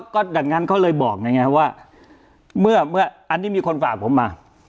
ก็ดังนั้นเขาเลยบอกไงว่าเมื่ออันนี้มีคนฝากผมมา